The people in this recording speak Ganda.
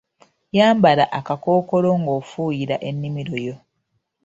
Yambala akakkookolo ng'ofuuyira ennimiro yo.